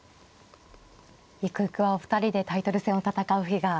ゆくゆくはお二人でタイトル戦を戦う日が。